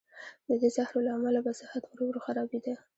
د دې زهرو له امله به صحت ورو ورو خرابېده.